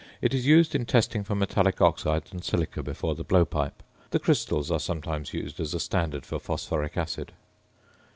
It is used in testing for metallic oxides and silica before the blowpipe. The crystals are sometimes used as a standard for phosphoric acid.